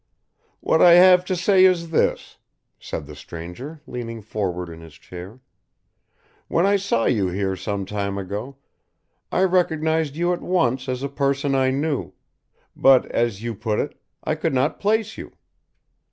"What I have to say is this," said the stranger, leaning forward in his chair. "When I saw you here some time ago, I recognised you at once as a person I knew, but, as you put it, I could not place you.